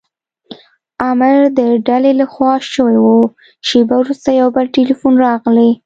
امر د ډلې له خوا شوی و، شېبه وروسته یو بل ټیلیفون راغلی.